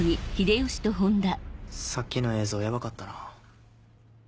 さっきの映像ヤバかったな。